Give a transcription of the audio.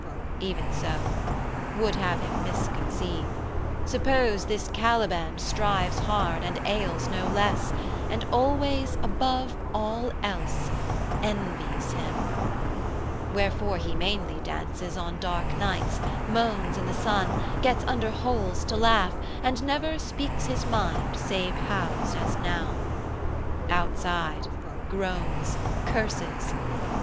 Even so, 'would have Him misconceive, suppose This Caliban strives hard and ails no less, And always, above all else, envies Him; 265 Wherefore he mainly dances on dark nights, Moans in the sun, gets under holes to laugh, And never speaks his mind save housed as now: Outside, 'groans, curses.